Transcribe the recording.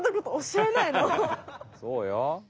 そうよ。